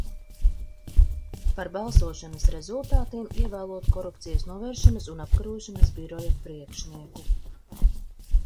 Par balsošanas rezultātiem, ievēlot Korupcijas novēršanas un apkarošanas biroja priekšnieku.